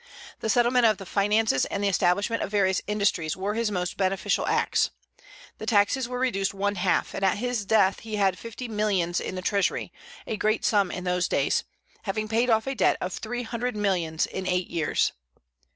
The settlement of the finances and the establishment of various industries were his most beneficial acts. The taxes were reduced one half, and at his death he had fifty millions in the treasury, a great sum in those days, having paid off a debt of three hundred millions in eight years.